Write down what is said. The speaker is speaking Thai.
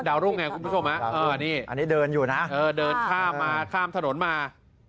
ดาวรุ่งไงคุณผู้ชมนะอันนี้เดินอยู่นะเดินข้ามถนนมา